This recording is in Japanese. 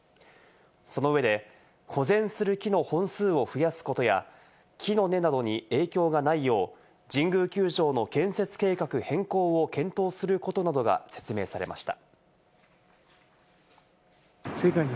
その上で、保全する木の本数を増やすことや、木の根などに影響がないよう、神宮球場の建設計画変更を検討することなどが説明されました。